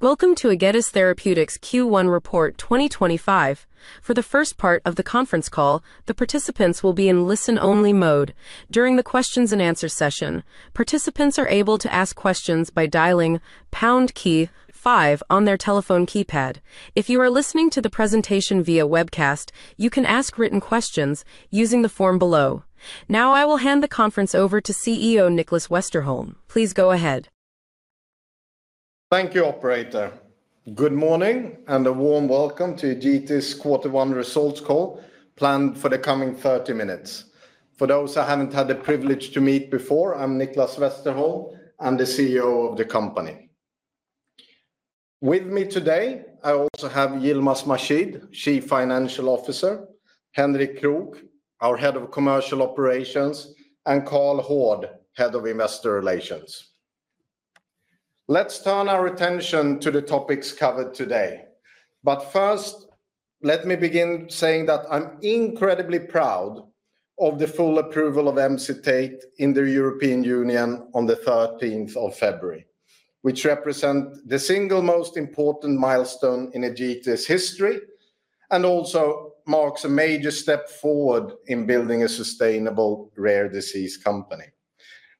Welcome to Egetis Therapeutics Q1 Report 2025. For the first part of the conference call, the participants will be in listen-only mode. During the questions-and-answers session, participants are able to ask questions by dialing #5 on their telephone keypad. If you are listening to the presentation via webcast, you can ask written questions using the form below. Now, I will hand the conference over to CEO Nicklas Westerholm. Please go ahead. Thank you, operator. Good morning and a warm welcome to Egetis Q1 Results Call planned for the coming 30 minutes. For those I haven't had the privilege to meet before, I'm Nicklas Westerholm and the CEO of the company. With me today, I also have Yilmaz Mahshid, Chief Financial Officer; Henrik Krook, our Head of Commercial Operations; and Karl Hård, Head of Investor Relations. Let's turn our attention to the topics covered today. First, let me begin saying that I'm incredibly proud of the full approval of Emcitate in the European Union on the 13th of February, which represents the single most important milestone in Egetis' history and also marks a major step forward in building a sustainable rare disease company.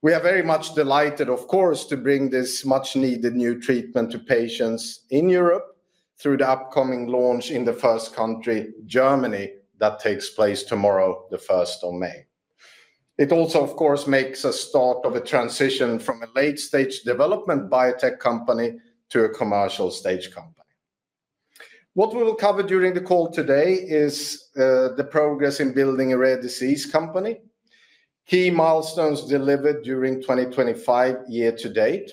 We are very much delighted, of course, to bring this much-needed new treatment to patients in Europe through the upcoming launch in the first country, Germany, that takes place tomorrow, the 1st of May. It also, of course, makes a start of a transition from a late-stage development biotech company to a commercial-stage company. What we will cover during the call today is the progress in building a rare disease company, key milestones delivered during 2025 year to date,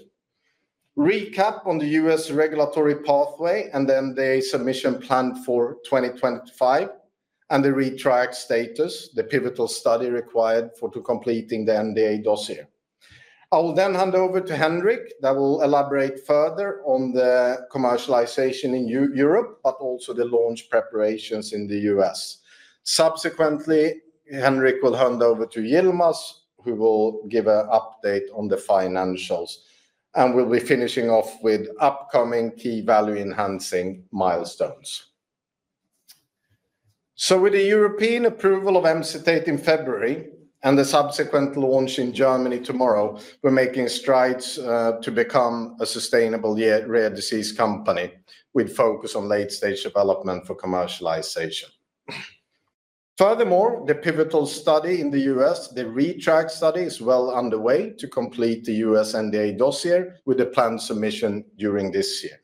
recap on the US regulatory pathway, and then the submission planned for 2025, and the ReTRIACt status, the pivotal study required for completing the NDA dossier. I will then hand over to Henrik that will elaborate further on the commercialization in Europe, but also the launch preparations in the US. Subsequently, Henrik will hand over to Yilmaz, who will give an update on the financials, and we'll be finishing off with upcoming key value-enhancing milestones. With the European approval of Emcitate in February and the subsequent launch in Germany tomorrow, we're making strides to become a sustainable rare disease company with focus on late-stage development for commercialization. Furthermore, the pivotal study in the U.S., the ReTRIACt study, is well underway to complete the U.S. NDA dossier with the planned submission during this year.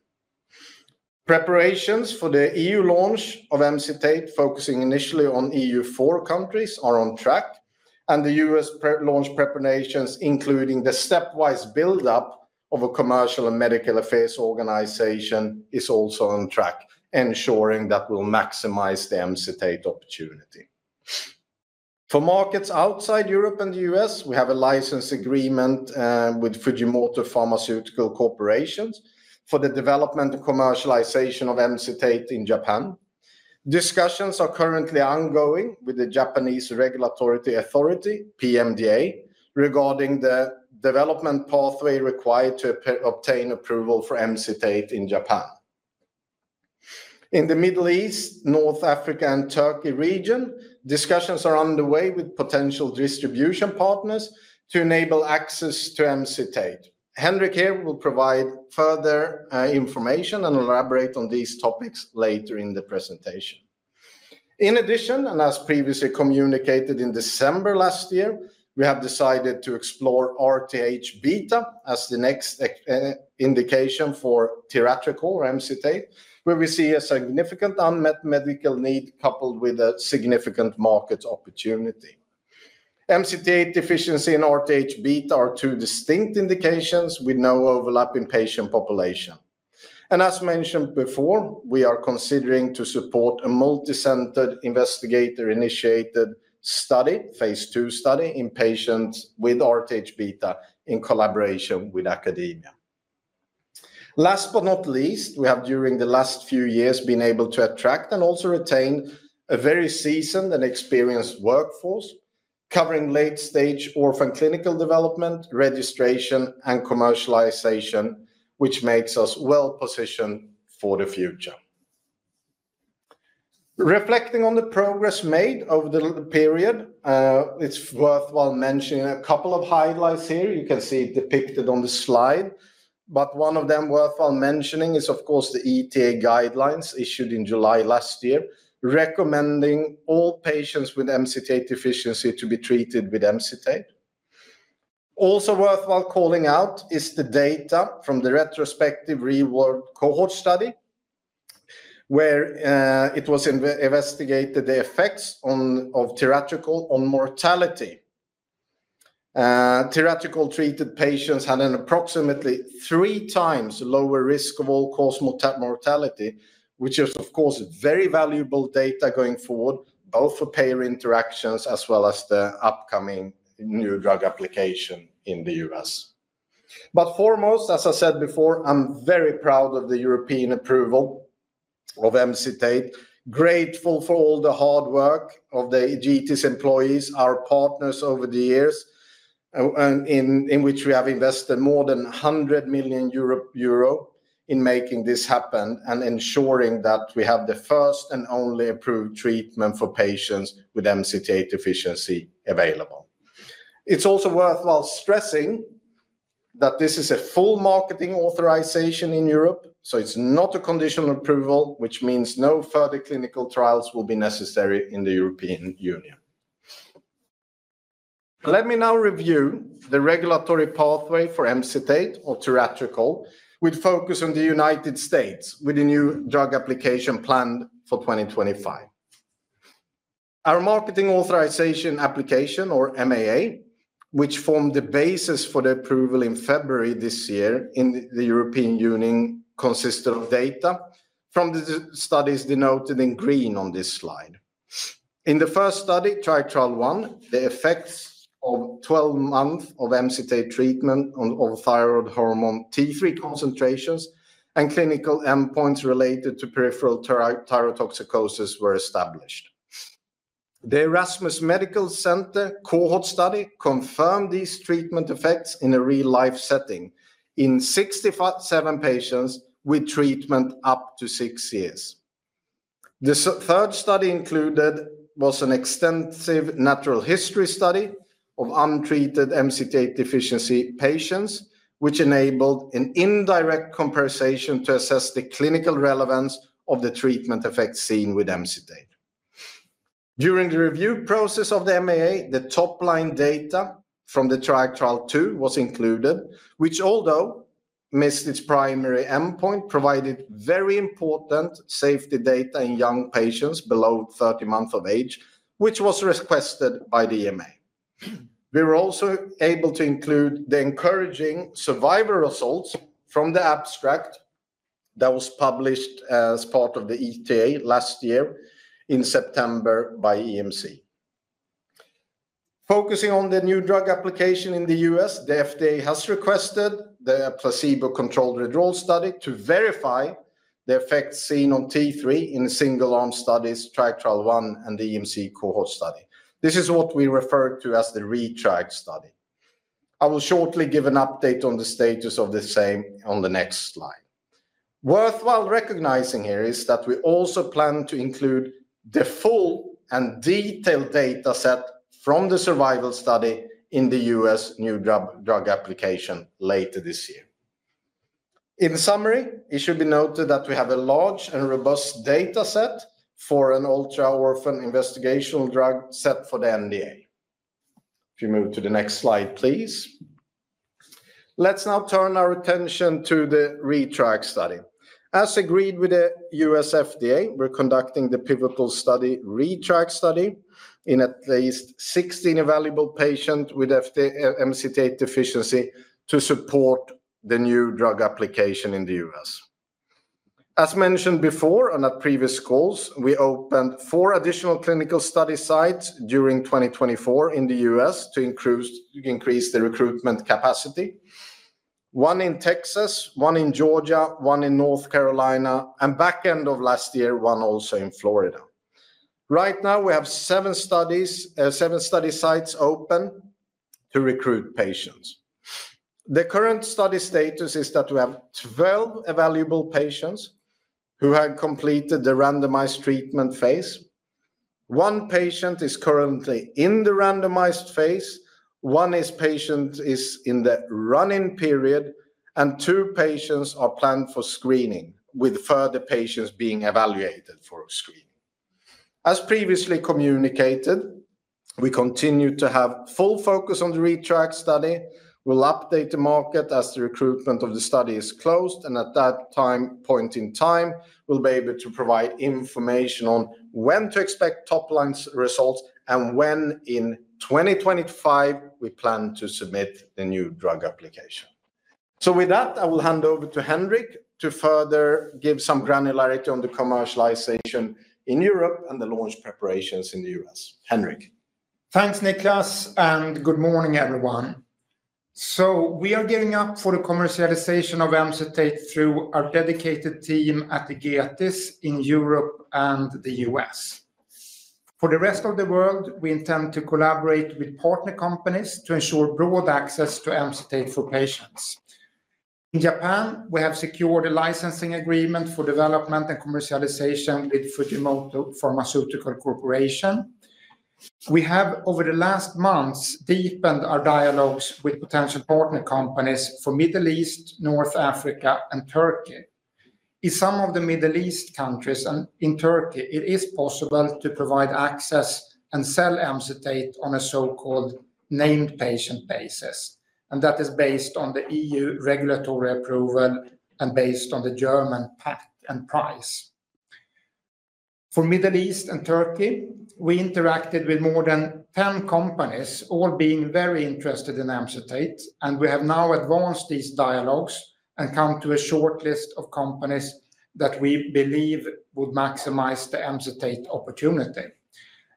Preparations for the EU launch of Emcitate, focusing initially on EU4 countries, are on track, and the U.S. launch preparations, including the stepwise build-up of a commercial and medical affairs organization, are also on track, ensuring that we'll maximize the Emcitate opportunity. For markets outside Europe and the US, we have a license agreement with Fujimoto Pharmaceutical Corporation for the development and commercialization of Emcitate in Japan. Discussions are currently ongoing with the Japanese Regulatory Authority, PMDA, regarding the development pathway required to obtain approval for Emcitate in Japan. In the Middle East, North Africa, and Turkey region, discussions are underway with potential distribution partners to enable access to Emcitate. Henrik here will provide further information and elaborate on these topics later in the presentation. In addition, and as previously communicated in December last year, we have decided to explore RTH Beta as the next indication for tiratricol, Emcitate, where we see a significant unmet medical need coupled with a significant market opportunity. MCT8 deficiency and RTH Beta are two distinct indications with no overlap in patient population. As mentioned before, we are considering to support a multi-centered investigator-initiated phase two study in patients with RTH Beta in collaboration with academia. Last but not least, we have, during the last few years, been able to attract and also retain a very seasoned and experienced workforce covering late-stage orphan clinical development, registration, and commercialization, which makes us well positioned for the future. Reflecting on the progress made over the period, it's worthwhile mentioning a couple of highlights here. You can see it depicted on the slide, but one of them worthwhile mentioning is, of course, the ETA guidelines issued in July last year, recommending all patients with MCT8 deficiency to be treated with Emcitate. Also worthwhile calling out is the data from the retrospective real-word cohort study where it was investigated the effects of tiratricol on mortality. Tiratricol-treated patients had an approximately three times lower risk of all-cause mortality, which is, of course, very valuable data going forward, both for payer interactions as well as the upcoming New Drug Application in the U.S. Foremost, as I said before, I'm very proud of the European approval of Emcitate. Grateful for all the hard work of the Egetis employees, our partners over the years, in which we have invested more than 100 million euro in making this happen and ensuring that we have the first and only approved treatment for patients with MCT8 deficiency available. It's also worthwhile stressing that this is a full Marketing Authorization in Europe, so it's not a conditional approval, which means no further clinical trials will be necessary in the European Union. Let me now review the regulatory pathway for Emcitate or tiratricol, with focus on the United States, with a New Drug Application planned for 2025. Our Marketing Authorization Application, or MAA, which formed the basis for the approval in February this year in the European Union, consisted of data from the studies denoted in green on this slide. In the first study, TRIAL-1, the effects of 12 months of Emcitate treatment on thyroid hormone T3 concentrations and clinical endpoints related to peripheral thyrotoxicosis were established. The Erasmus Medical Center cohort study confirmed these treatment effects in a real-life setting in 67 patients with treatment up to six years. The third study included an extensive natural history study of untreated MCT8 deficiency patients, which enabled an indirect comparison to assess the clinical relevance of the treatment effects seen with Emcitate. During the review process of the MAA, the top-line data from the TRIAL-2 was included, which, although missed its primary endpoint, provided very important safety data in young patients below 30 months of age, which was requested by the MAA. We were also able to include the encouraging survival results from the abstract that was published as part of the ETA last year in September by EMC. Focusing on the New Drug Application in the U.S., the FDA has requested the placebo-controlled withdrawal study to verify the effects seen on T3 in single-arm studies, TRIAL-1, and the EMC cohort study. This is what we refer to as the ReTRIACt study. I will shortly give an update on the status of the same on the next slide. Worthwhile recognizing here is that we also plan to include the full and detailed data set from the survival study in the U.S. New Drug Application later this year. In summary, it should be noted that we have a large and robust data set for an ultra-orphan investigational drug set for the NDA. If you move to the next slide, please. Let's now turn our attention to the ReTRIACt study. As agreed with the U.S. FDA, we're conducting the pivotal study ReTRIACt study in at least 16 available patients with MCT8 deficiency to support the New Drug Application in the U.S. As mentioned before and at previous calls, we opened four additional clinical study sites during 2024 in the U.S. to increase the recruitment capacity: one in Texas, one in Georgia, one in North Carolina, and back end of last year, one also in Florida. Right now, we have seven study sites open to recruit patients. The current study status is that we have 12 available patients who have completed the randomized treatment phase. One patient is currently in the randomized phase. One patient is in the run-in period, and two patients are planned for screening, with further patients being evaluated for screening. As previously communicated, we continue to have full focus on the ReTRIACt study. We will update the market as the recruitment of the study is closed, and at that point in time, we will be able to provide information on when to expect top-line results and when in 2025 we plan to submit the New Drug Application. With that, I will hand over to Henrik to further give some granularity on the commercialization in Europe and the launch preparations in the U.S. Henrik. Thanks, Nicklas, and good morning, everyone. We are gearing up for the commercialization of Emcitate through our dedicated team at Egetis in Europe and the US. For the rest of the world, we intend to collaborate with partner companies to ensure broad access to Emcitate for patients. In Japan, we have secured a licensing agreement for development and commercialization with Fujimoto Pharmaceutical Corporation. We have, over the last months, deepened our dialogues with potential partner companies for the Middle East, North Africa, and Turkey. In some of the Middle East countries and in Turkey, it is possible to provide access and sell Emcitate on a so-called named patient basis, and that is based on the EU regulatory approval and based on the German GBA and price. For the Middle East and Turkey, we interacted with more than 10 companies, all being very interested in Emcitate, and we have now advanced these dialogues and come to a short list of companies that we believe would maximize the Emcitate opportunity.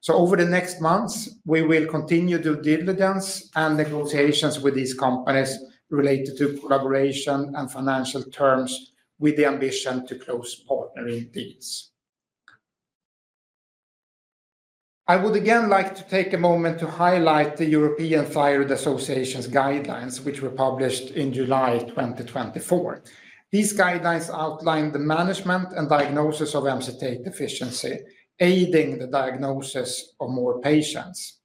Over the next months, we will continue to do diligence and negotiations with these companies related to collaboration and financial terms with the ambition to close partnering deals. I would again like to take a moment to highlight the European Thyroid Association's guidelines, which were published in July 2024. These guidelines outline the management and diagnosis of MCT8 deficiency, aiding the diagnosis of more patients.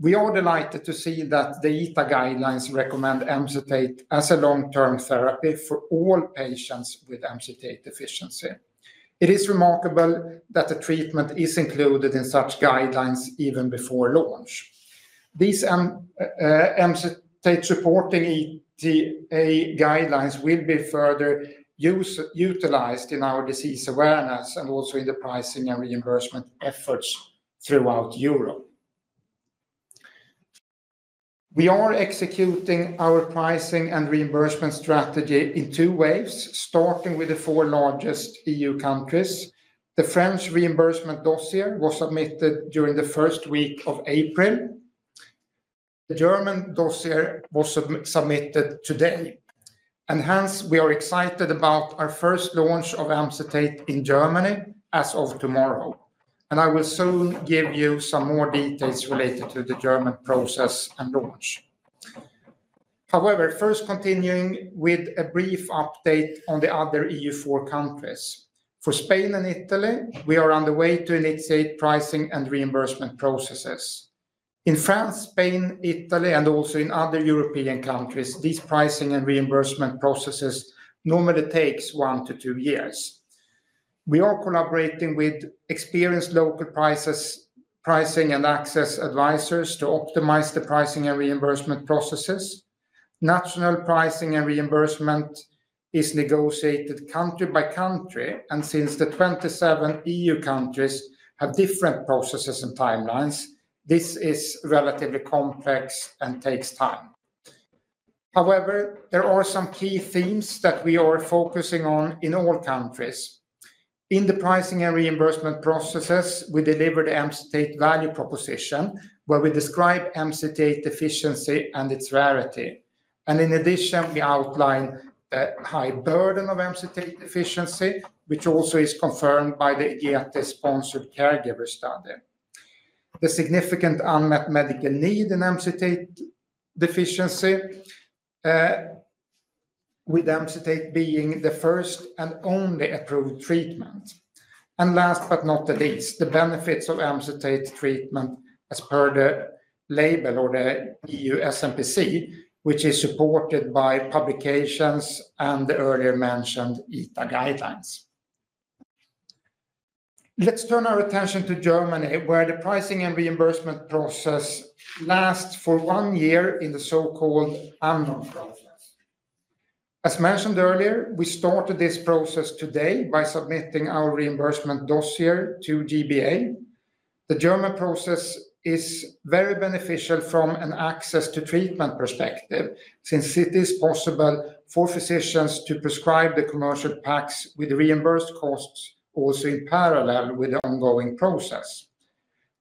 We are delighted to see that the ETA guidelines recommend Emcitate as a long-term therapy for all patients with MCT8 deficiency. It is remarkable that the treatment is included in such guidelines even before launch. These Emcitate supporting ETA guidelines will be further utilized in our disease awareness and also in the pricing and reimbursement efforts throughout Europe. We are executing our pricing and reimbursement strategy in two waves, starting with the four largest EU countries. The French reimbursement dossier was submitted during the first week of April. The German dossier was submitted today. We are excited about our first launch of Emcitate in Germany as of tomorrow. I will soon give you some more details related to the German process and launch. However, first continuing with a brief update on the other EU4 countries. For Spain and Italy, we are on the way to initiate pricing and reimbursement processes. In France, Spain, Italy, and also in other European countries, these pricing and reimbursement processes normally take one to two years. We are collaborating with experienced local pricing and access advisors to optimize the pricing and reimbursement processes. National pricing and reimbursement is negotiated country by country, and since the 27 EU countries have different processes and timelines, this is relatively complex and takes time. However, there are some key themes that we are focusing on in all countries. In the pricing and reimbursement processes, we deliver the Emcitate value proposition where we describe MCT8 deficiency and its rarity. In addition, we outline the high burden of MCT8 deficiency, which also is confirmed by the Egetis-sponsored caregiver study. The significant unmet medical need in MCT8 deficiency, with Emcitate being the first and only approved treatment. Last but not the least, the benefits of Emcitate treatment as per the label or the EU SmPC, which is supported by publications and the earlier mentioned ETA guidelines. Let's turn our attention to Germany, where the pricing and reimbursement process lasts for one year in the so-called unknown process. As mentioned earlier, we started this process today by submitting our reimbursement dossier to GBA. The German process is very beneficial from an access to treatment perspective since it is possible for physicians to prescribe the commercial packs with reimbursed costs also in parallel with the ongoing process.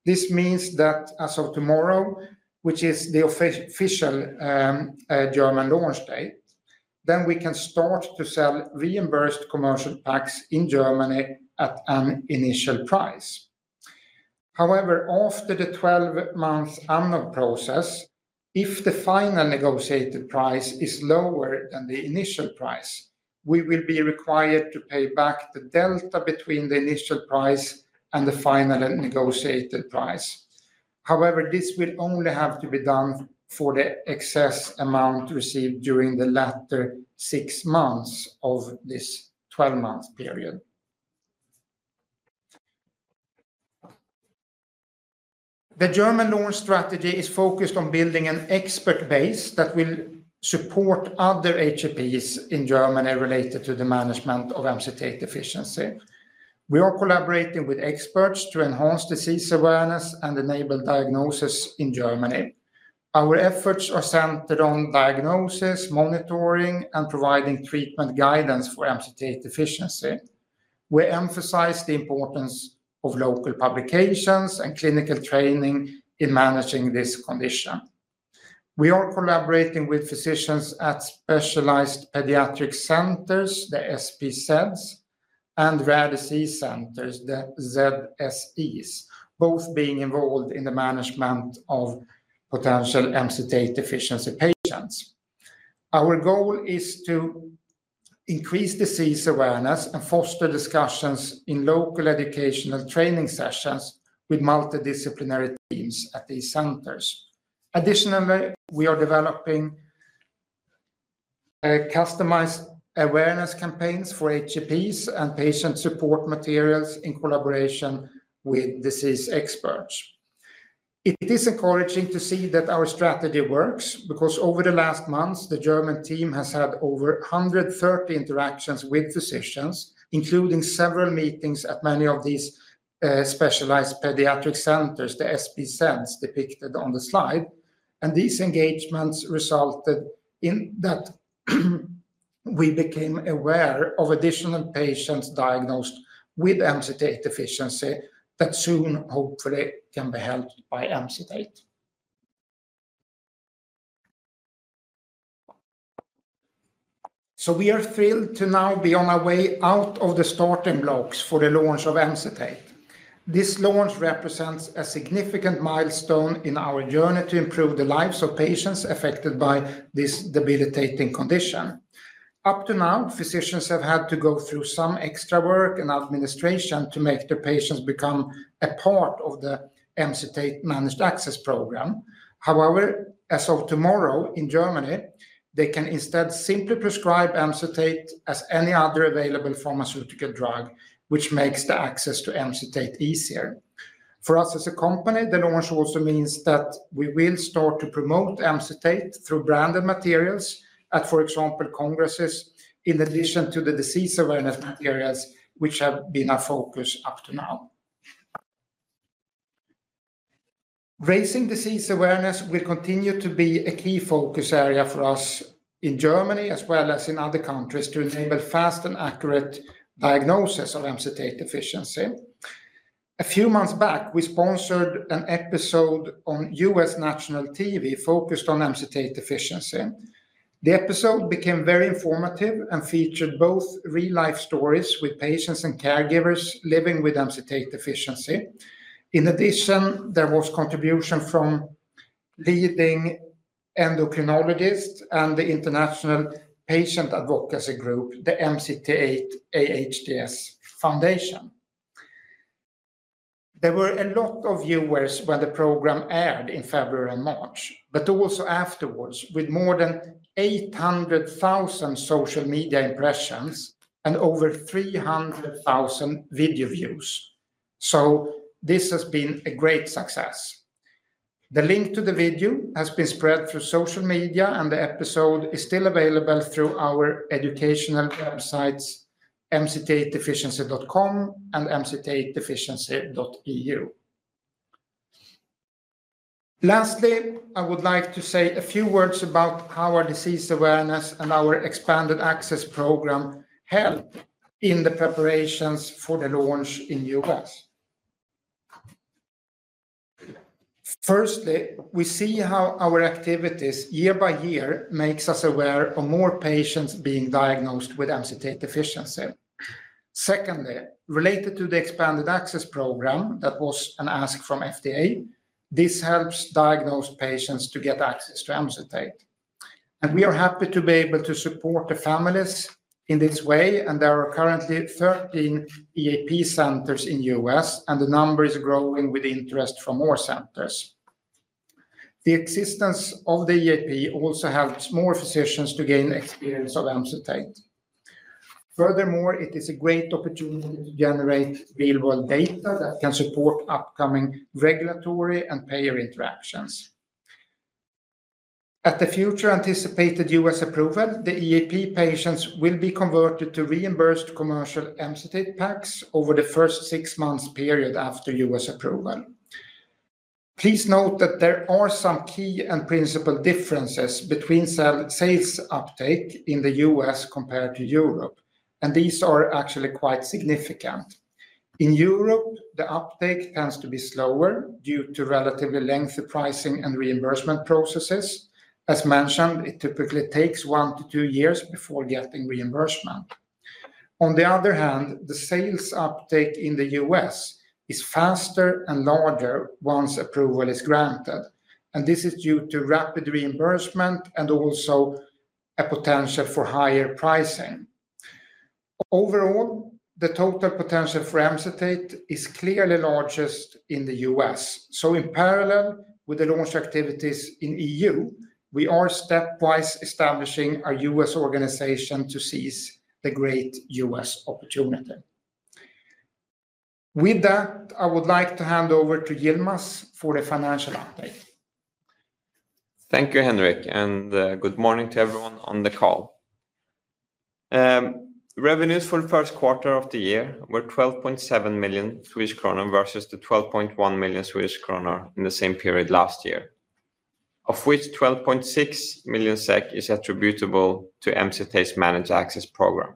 This means that as of tomorrow, which is the official German launch date, we can start to sell reimbursed commercial packs in Germany at an initial price. However, after the 12-month unknown process, if the final negotiated price is lower than the initial price, we will be required to pay back the delta between the initial price and the final negotiated price. However, this will only have to be done for the excess amount received during the latter six months of this 12-month period. The German launch strategy is focused on building an expert base that will support other HCPs in Germany related to the management of MCT8 deficiency. We are collaborating with experts to enhance disease awareness and enable diagnosis in Germany. Our efforts are centered on diagnosis, monitoring, and providing treatment guidance for MCT8 deficiency. We emphasize the importance of local publications and clinical training in managing this condition. We are collaborating with physicians at Specialized Pediatric Centers, the SPCs, and Rare Disease Centers, the ZSEs, both being involved in the management of potential MCT8 deficiency patients. Our goal is to increase disease awareness and foster discussions in local educational training sessions with multidisciplinary teams at these centers. Additionally, we are developing customized awareness campaigns for HCPs and patient support materials in collaboration with disease experts. It is encouraging to see that our strategy works because over the last months, the German team has had over 130 interactions with physicians, including several meetings at many of these Specialized Pediatric Centers, the SPCs depicted on the slide. These engagements resulted in that we became aware of additional patients diagnosed with MCT8 deficiency that soon, hopefully, can be helped by Emcitate. We are thrilled to now be on our way out of the starting blocks for the launch of Emcitate. This launch represents a significant milestone in our journey to improve the lives of patients affected by this debilitating condition. Up to now, physicians have had to go through some extra work and administration to make their patients become a part of the Emcitate managed access program. However, as of tomorrow in Germany, they can instead simply prescribe Emcitate as any other available pharmaceutical drug, which makes the access to Emcitate easier. For us as a company, the launch also means that we will start to promote Emcitate through branded materials at, for example, congresses, in addition to the disease awareness materials, which have been our focus up to now. Raising disease awareness will continue to be a key focus area for us in Germany, as well as in other countries, to enable fast and accurate diagnosis of MCT8 deficiency. A few months back, we sponsored an episode on U.S. national TV focused on MCT8 deficiency. The episode became very informative and featured both real-life stories with patients and caregivers living with MCT8 deficiency. In addition, there was contribution from leading endocrinologists and the international patient advocacy group, the MCT8-AHDS Foundation. There were a lot of viewers when the program aired in February and March, but also afterwards, with more than 800,000 social media impressions and over 300,000 video views. This has been a great success. The link to the video has been spread through social media, and the episode is still available through our educational websites, mct8deficiency.com and mct8deficiency.eu. Lastly, I would like to say a few words about how our disease awareness and our expanded access program helped in the preparations for the launch in the US. Firstly, we see how our activities year by year make us aware of more patients being diagnosed with MCT8 deficiency. Secondly, related to the expanded access program, that was an ask from FDA, this helps diagnosed patients to get access to Emcitate. We are happy to be able to support the families in this way, and there are currently 13 EAP centers in the US, and the number is growing with interest from more centers. The existence of the EAP also helps more physicians to gain experience of Emcitate. Furthermore, it is a great opportunity to generate real-world data that can support upcoming regulatory and payer interactions. At the future anticipated US approval, the EAP patients will be converted to reimbursed commercial Emcitate packs over the first six months period after US approval. Please note that there are some key and principal differences between sales uptake in the US compared to Europe, and these are actually quite significant. In Europe, the uptake tends to be slower due to relatively lengthy pricing and reimbursement processes. As mentioned, it typically takes one to two years before getting reimbursement. On the other hand, the sales uptake in the US is faster and larger once approval is granted, and this is due to rapid reimbursement and also a potential for higher pricing. Overall, the total potential for Emcitate is clearly largest in the US. In parallel with the launch activities in the EU, we are stepwise establishing our US organization to seize the great US opportunity. With that, I would like to hand over to Yilmaz for the financial update. Thank you, Henrik, and good morning to everyone on the call. Revenues for the first quarter of the year were 12.7 million Swedish kronor versus 12.1 million Swedish kronor in the same period last year, of which 12.6 million SEK is attributable to Emcitate's managed access program.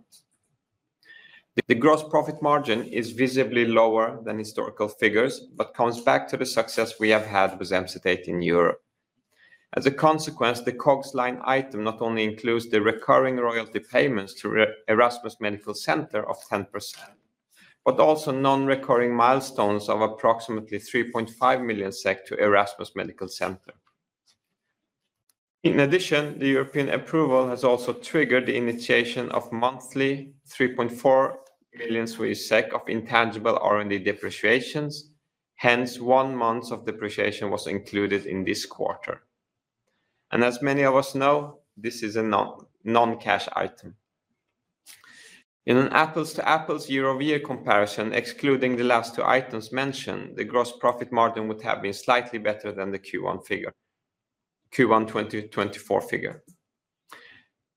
The gross profit margin is visibly lower than historical figures, but comes back to the success we have had with Emcitate in Europe. As a consequence, the COGS line item not only includes the recurring royalty payments to Erasmus Medical Center of 10%, but also non-recurring milestones of approximately 3.5 million SEK to Erasmus Medical Center. In addition, the European approval has also triggered the initiation of monthly 3.4 million Swedish SEK of intangible R&D depreciations. Hence, one month of depreciation was included in this quarter. As many of us know, this is a non-cash item. In an apples-to-apples year-over-year comparison, excluding the last two items mentioned, the gross profit margin would have been slightly better than the Q1 figure, Q1 2024 figure.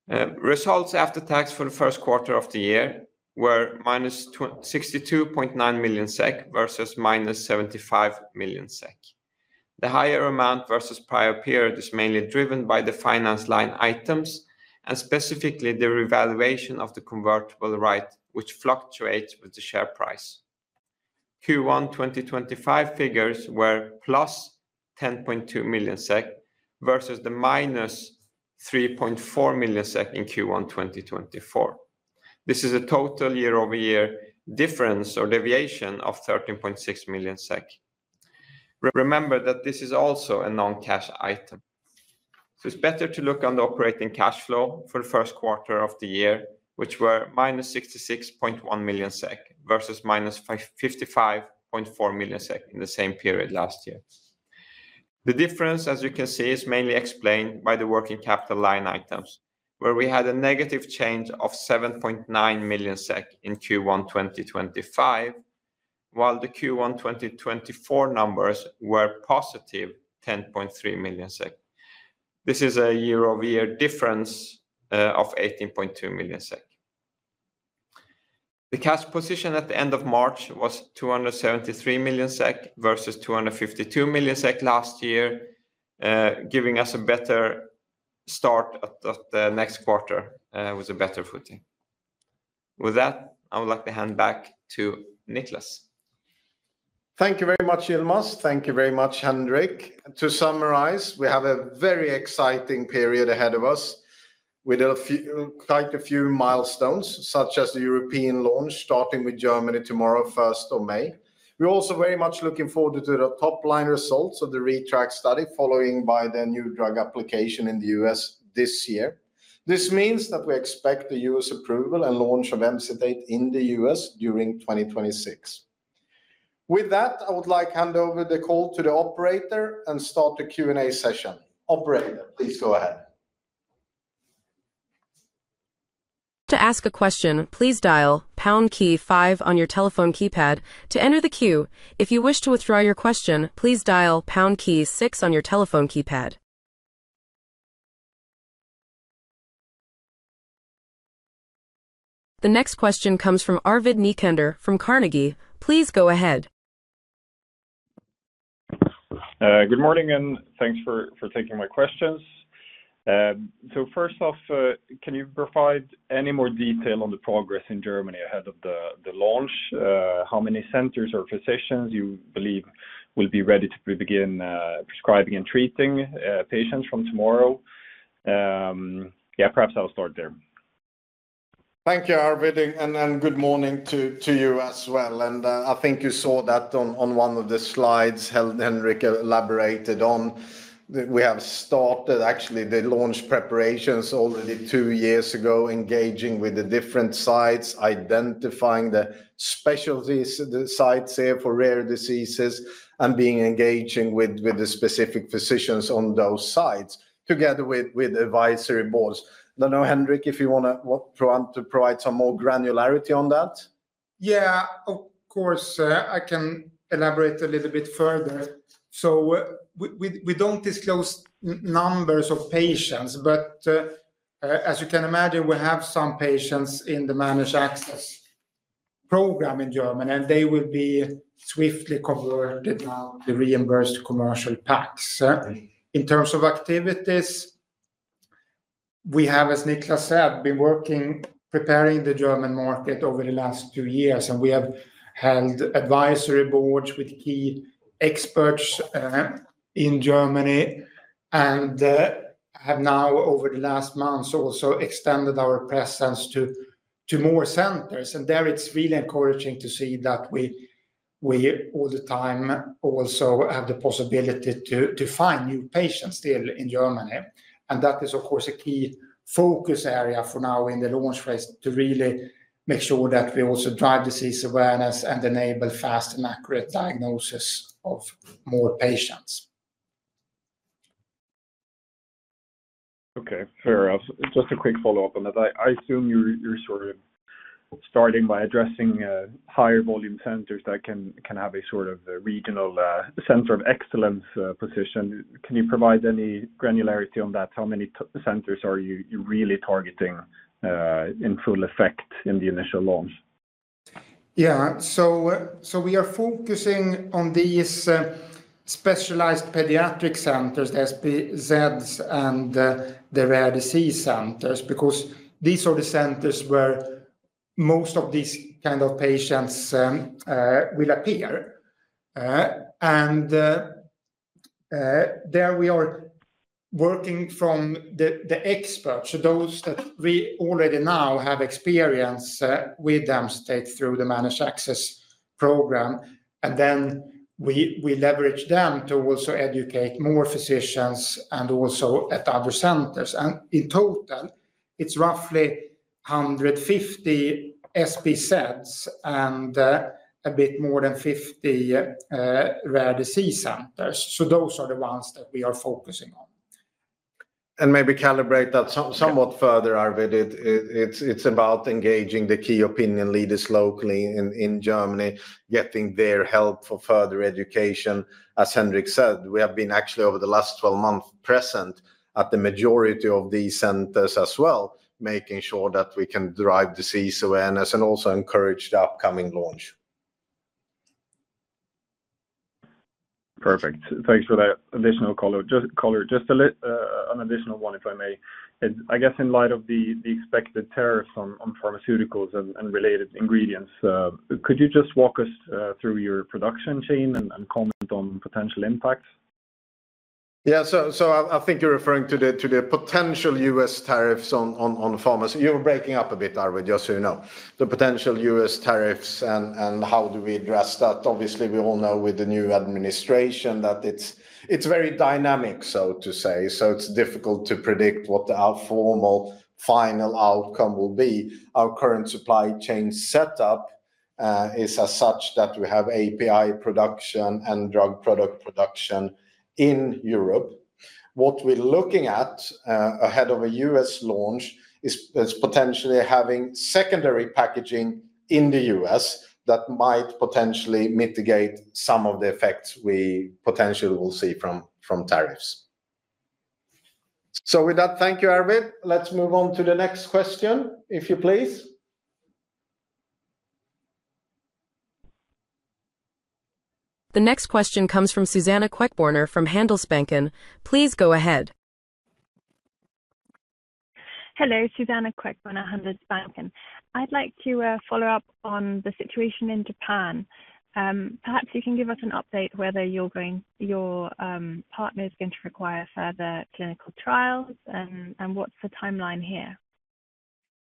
Results after tax for the first quarter of the year were minus 62.9 million SEK versus minus 75 million SEK. The higher amount versus prior period is mainly driven by the finance line items and specifically the revaluation of the convertible right, which fluctuates with the share price. Q1 2025 figures were plus 10.2 million SEK versus the minus 3.4 million SEK in Q1 2024. This is a total year-over-year difference or deviation of 13.6 million SEK. Remember that this is also a non-cash item. It is better to look on the operating cash flow for the first quarter of the year, which were -66.1 million SEK versus -55.4 million SEK in the same period last year. The difference, as you can see, is mainly explained by the working capital line items, where we had a negative change of 7.9 million SEK in Q1 2025, while the Q1 2024 numbers were positive 10.3 million SEK. This is a year-over-year difference of 18.2 million SEK. The cash position at the end of March was 273 million SEK versus 252 million SEK last year, giving us a better start at the next quarter with a better footing. With that, I would like to hand back to Nicklas. Thank you very much, Yilmaz. Thank you very much, Henrik. To summarize, we have a very exciting period ahead of us with quite a few milestones, such as the European launch starting with Germany tomorrow, 1st of May. We're also very much looking forward to the top line results of the ReTRIACt study following by the New Drug Application in the U.S. this year. This means that we expect the U.S. approval and launch of Emcitate in the U.S. during 2026. With that, I would like to hand over the call to the operator and start the Q&A session. Operator, please go ahead. To ask a question, please dial pound key five on your telephone keypad to enter the queue. If you wish to withdraw your question, please dial pound key six on your telephone keypad. The next question comes from Arvid Necander from Carnegie. Please go ahead. Good morning and thanks for taking my questions. First off, can you provide any more detail on the progress in Germany ahead of the launch? How many centers or physicians you believe will be ready to begin prescribing and treating patients from tomorrow? Yeah, perhaps I'll start there. Thank you, Arvid, and good morning to you as well. I think you saw that on one of the slides Henrik elaborated on. We have started, actually, the launch preparations already two years ago, engaging with the different sites, identifying the specialty sites here for rare diseases and engaging with the specific physicians on those sites together with advisory boards. I don't know, Henrik, if you want to provide some more granularity on that. Yeah, of course, I can elaborate a little bit further. We do not disclose numbers of patients, but as you can imagine, we have some patients in the managed access program in Germany, and they will be swiftly converted now to reimbursed commercial packs. In terms of activities, we have, as Nicklas said, been working, preparing the German market over the last two years, and we have held advisory boards with key experts in Germany and have now, over the last months, also extended our presence to more centers. It is really encouraging to see that we all the time also have the possibility to find new patients still in Germany. That is, of course, a key focus area for now in the launch phase to really make sure that we also drive disease awareness and enable fast and accurate diagnosis of more patients. Okay, fair enough. Just a quick follow-up on that. I assume you're sort of starting by addressing higher volume centers that can have a sort of regional center of excellence position. Can you provide any granularity on that? How many centers are you really targeting in full effect in the initial launch? Yeah, we are focusing on these Specialized Pediatric Centers, SPCs, and the Rare Disease Centers, because these are the centers where most of these kind of patients will appear. There we are working from the experts, those that we already now have experience with Emcitate through the managed access program. We leverage them to also educate more physicians and also at other centers. In total, it's roughly 150 SPCs and a bit more than 50 Rare Disease Centers. Those are the ones that we are focusing on. Maybe calibrate that somewhat further, Arvid. It's about engaging the key opinion leaders locally in Germany, getting their help for further education. As Henrik said, we have been actually over the last 12 months present at the majority of these centers as well, making sure that we can drive disease awareness and also encourage the upcoming launch. Perfect. Thanks for that additional color. Just an additional one, if I may. I guess in light of the expected tariffs on pharmaceuticals and related ingredients, could you just walk us through your production chain and comment on potential impacts? Yeah, I think you're referring to the potential U.S. tariffs on pharmaceuticals. You were breaking up a bit, Arvid, just so you know. The potential U.S. tariffs and how do we address that? Obviously, we all know with the new administration that it's very dynamic, so to say. It's difficult to predict what our formal final outcome will be. Our current supply chain setup is as such that we have API production and drug product production in Europe. What we're looking at ahead of a US launch is potentially having secondary packaging in the US that might potentially mitigate some of the effects we potentially will see from tariffs. With that, thank you, Arvid. Let's move on to the next question, if you please. The next question comes from Suzanna Queckbörner from Handelsbanken. Please go ahead. Hello, Suzanna Queckbörner, Handelsbanken. I'd like to follow up on the situation in Japan. Perhaps you can give us an update whether your partner is going to require further clinical trials and what's the timeline here.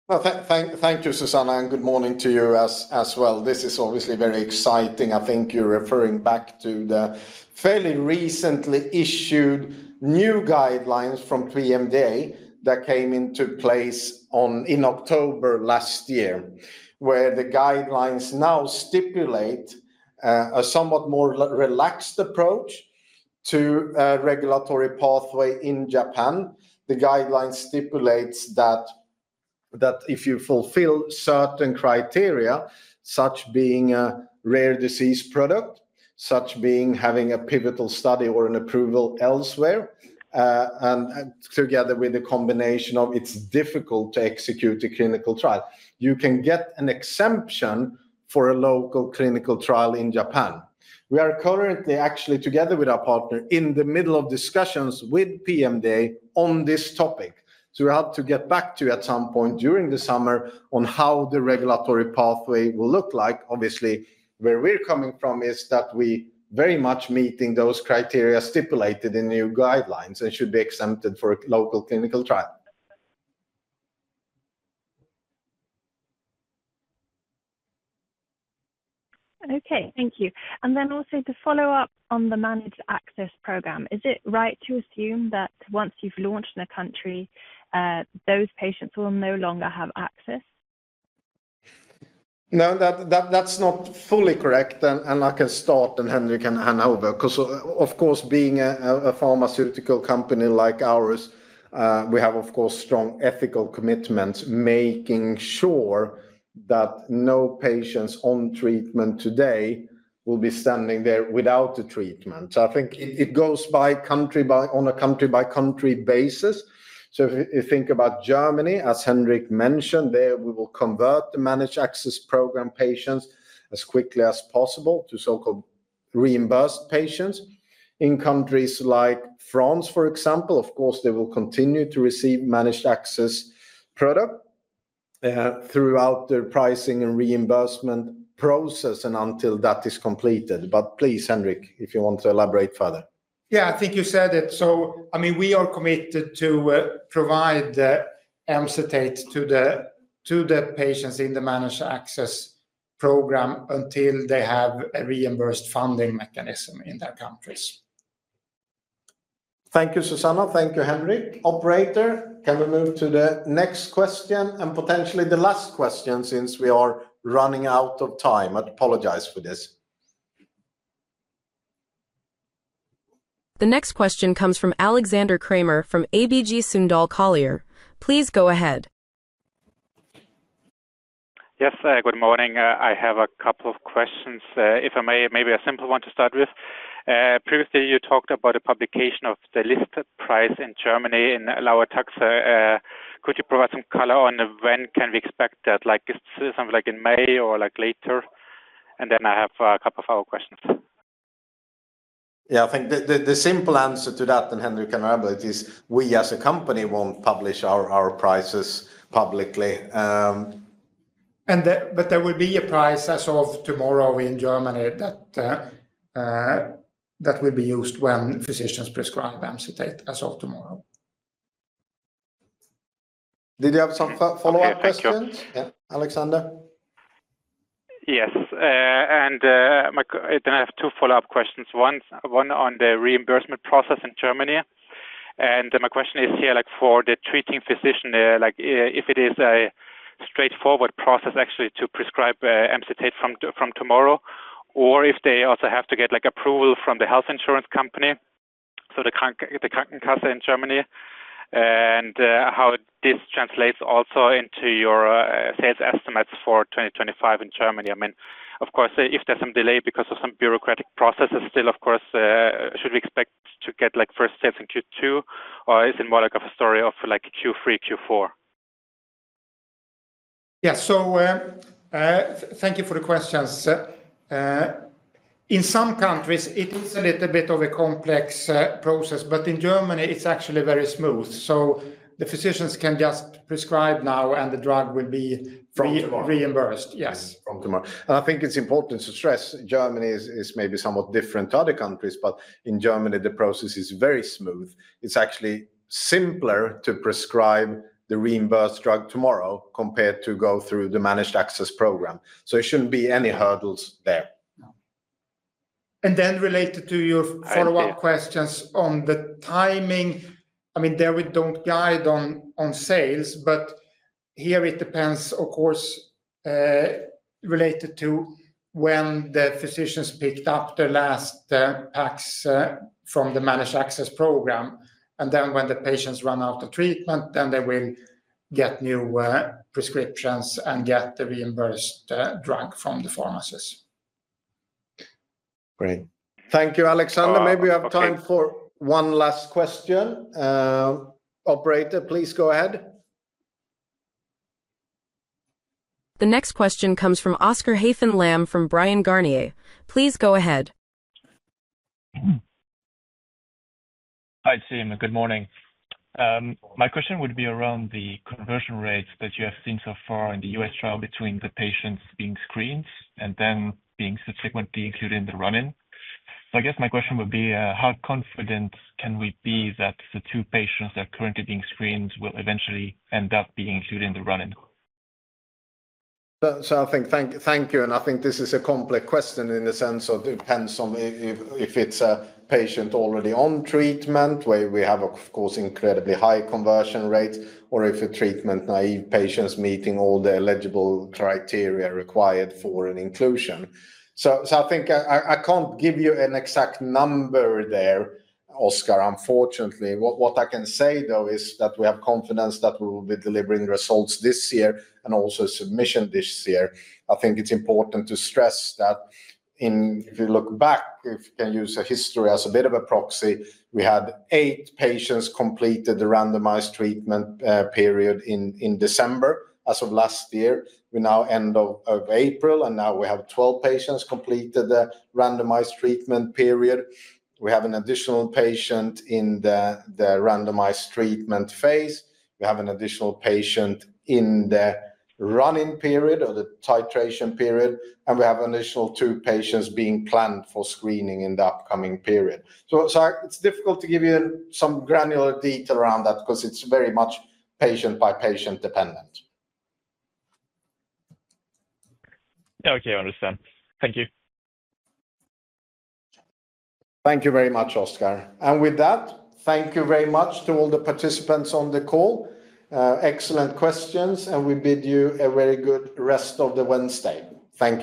Thank you, Suzanna, and good morning to you as well. This is obviously very exciting. I think you're referring back to the fairly recently issued new guidelines from PMDA that came into place in October last year, where the guidelines now stipulate a somewhat more relaxed approach to a regulatory pathway in Japan. The guidelines stipulate that if you fulfill certain criteria, such being a rare disease product, such being having a pivotal study or an approval elsewhere, and together with the combination of it's difficult to execute a clinical trial, you can get an exemption for a local clinical trial in Japan. We are currently actually together with our partner in the middle of discussions with PMDA on this topic. We will have to get back to you at some point during the summer on how the regulatory pathway will look like. Obviously, where we're coming from is that we very much meet those criteria stipulated in new guidelines and should be exempted for a local clinical trial. Okay, thank you. Also, to follow up on the managed access program, is it right to assume that once you've launched in a country, those patients will no longer have access? No, that's not fully correct. I can start, and Henrik can hand over, because of course, being a pharmaceutical company like ours, we have of course strong ethical commitments making sure that no patients on treatment today will be standing there without the treatment. I think it goes by country by country basis. If you think about Germany, as Henrik mentioned, there we will convert the managed access program patients as quickly as possible to so-called reimbursed patients. In countries like France, for example, of course, they will continue to receive managed access product throughout the pricing and reimbursement process and until that is completed. Please, Henrik, if you want to elaborate further. Yeah, I think you said it. I mean, we are committed to provide Emcitate to the patients in the managed access program until they have a reimbursed funding mechanism in their countries. Thank you, Suzanna. Thank you, Henrik. Operator, can we move to the next question and potentially the last question since we are running out of time? I apologize for this. The next question comes from Alexander Krämer from ABG Sundal Collier. Please go ahead. Yes, good morning. I have a couple of questions, if I may, maybe a simple one to start with. Previously, you talked about the publication of the listed price in Germany in LAUER-TAXE. Could you provide some color on when can we expect that? Like something like in May or like later? I have a couple of other questions. Yeah, I think the simple answer to that, and Henrik can elaborate, is we as a company won't publish our prices publicly. There will be a price as of tomorrow in Germany that will be used when physicians prescribe Emcitate as of tomorrow. Did you have some follow-up questions? Yeah, Alexander? Yes. I have two follow-up questions. One on the reimbursement process in Germany. My question is here for the treating physician, if it is a straightforward process actually to prescribe Emcitate from tomorrow, or if they also have to get approval from the health insurance company, so the Krankenkasse in Germany, and how this translates also into your sales estimates for 2025 in Germany. I mean, of course, if there's some delay because of some bureaucratic processes, still, of course, should we expect to get first sales in Q2, or is it more like a story of Q3, Q4? Yeah, thank you for the questions. In some countries, it is a little bit of a complex process, but in Germany, it's actually very smooth. The physicians can just prescribe now, and the drug will be reimbursed. Yes. From tomorrow. I think it's important to stress Germany is maybe somewhat different to other countries, but in Germany, the process is very smooth. It's actually simpler to prescribe the reimbursed drug tomorrow compared to go through the managed access program. There shouldn't be any hurdles there. Then related to your follow-up questions on the timing, I mean, we do not guide on sales, but here it depends, of course, related to when the physicians picked up the last PACs from the managed access program. When the patients run out of treatment, they will get new prescriptions and get the reimbursed drug from the pharmacies. Great. Thank you, Alexander. Maybe we have time for one last question. Operator, please go ahead. The next question comes from Oscar Haffen Lamm from Bryan Garnier. Please go ahead. Hi, team. Good morning. My question would be around the conversion rates that you have seen so far in the U.S. trial between the patients being screened and then being subsequently included in the run-in. I guess my question would be, how confident can we be that the two patients that are currently being screened will eventually end up being included in the run-in? I think thank you. I think this is a complex question in the sense of it depends on if it's a patient already on treatment, where we have, of course, incredibly high conversion rates, or if it's treatment-naive patients meeting all the eligible criteria required for an inclusion. I think I can't give you an exact number there, Oscar. Unfortunately, what I can say, though, is that we have confidence that we will be delivering results this year and also submission this year. I think it's important to stress that if you look back, if you can use history as a bit of a proxy, we had eight patients complete the randomized treatment period in December as of last year. We now end of April, and now we have 12 patients complete the randomized treatment period. We have an additional patient in the randomized treatment phase. We have an additional patient in the run-in period or the titration period. We have additional two patients being planned for screening in the upcoming period. It is difficult to give you some granular detail around that because it is very much patient-by-patient dependent. Okay, I understand. Thank you. Thank you very much, Oscar. With that, thank you very much to all the participants on the call. Excellent questions, and we bid you a very good rest of the Wednesday. Thank you.